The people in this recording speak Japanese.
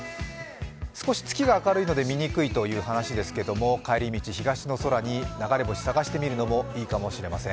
少し月が明るいので見にくいですけれども、帰りの道、流れ星、探してみるのもいいかもしれません。